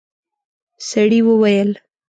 سړي وويل: